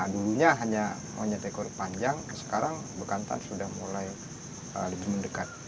dulunya hanya monyet ekor panjang sekarang bekantan sudah mulai lebih mendekat